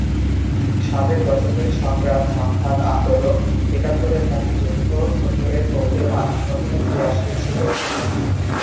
ষাটের দশকের সংগ্রাম, সংঘাত, আন্দোলন, একাত্তরের মুক্তিযুদ্ধ সত্তরের কবিদের মানস গঠনে ক্রিয়াশীল ছিল।